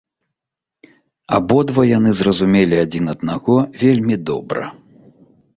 Абодва яны зразумелі адзін аднаго вельмі добра.